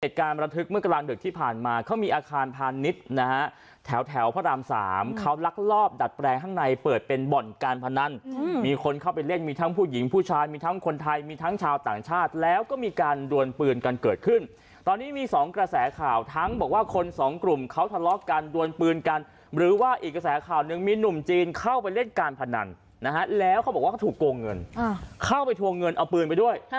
เหตุการณ์ระทึกเมื่อกลางเดือดที่ผ่านมาเขามีอาคารพาณิชย์นะฮะแถวแถวพระรามสามเขาลักลอบดัดแปลงข้างในเปิดเป็นบ่อนการพนันมีคนเข้าไปเล่นมีทั้งผู้หญิงผู้ชายมีทั้งคนไทยมีทั้งชาวต่างชาติแล้วก็มีการดวนปืนกันเกิดขึ้นตอนนี้มีสองกระแสข่าวทั้งบอกว่าคนสองกลุ่มเขาทะเลาะกันดวนปืนกันหรือว่